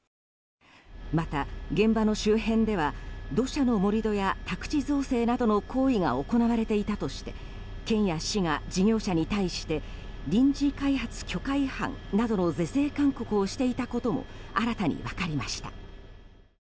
また、現場の周辺では土砂の盛り土や宅地造成などの行為が行われていたとして県や市が事業者に対して臨時開発許可違反などの是正勧告をしていたことも新たに分かりました。